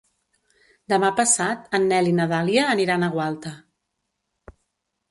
Demà passat en Nel i na Dàlia aniran a Gualta.